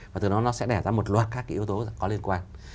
và từ đó nó sẽ đẻ ra một loạt các cái yếu tố có liên quan